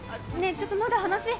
ちょっとまだ話。